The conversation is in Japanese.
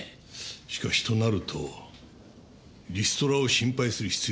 しかしとなるとリストラを心配する必要はない。